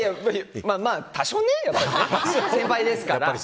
まあ多少ね先輩ですから。